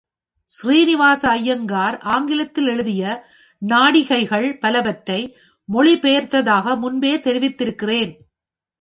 ஸ்ரீனிவாச ஐயங்கார் ஆங்கிலத்தில் எழுதிய நாடிகைகள் பலவற்றை மொழிபெயர்த்ததாக முன்பே தெரிவித்திருக்கிறேன்.